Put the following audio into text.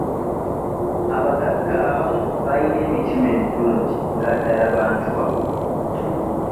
Abagagga abamu bayina emitima emirungi nga ddala bantu bawuliriza.